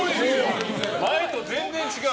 前と全然違う。